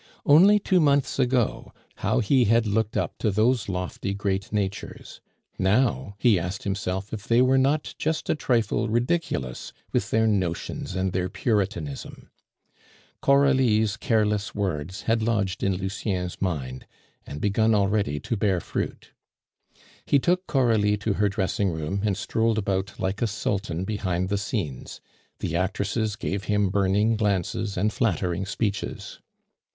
Only two months ago, how he had looked up to those lofty great natures; now he asked himself if they were not just a trifle ridiculous with their notions and their Puritanism. Coralie's careless words had lodged in Lucien's mind, and begun already to bear fruit. He took Coralie to her dressing room, and strolled about like a sultan behind the scenes; the actresses gave him burning glances and flattering speeches.